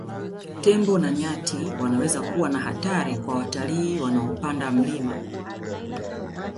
Tembo na nyati wanaweza kuwa na hatari kwa watalii wanaopanda mlima